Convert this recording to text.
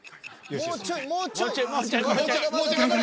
［もうちょいもうちょい］